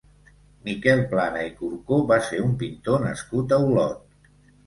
Miquel Plana i Corcó va ser un pintor nascut a Olot.